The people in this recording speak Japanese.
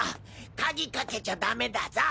カギかけちゃダメだぞ！